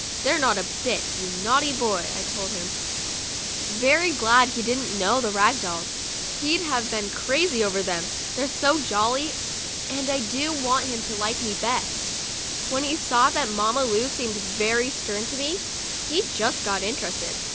"They're not a bit, you naughty boy," I told him, very glad he didn't know the rag dolls. He'd have been crazy over them, they're so jolly; and I do 78 FRIDAY— MY LEG IS BROKEN AND MENDED want him to like me best. When he saw that Mamma Lu seemed very stern to me, he just got interested.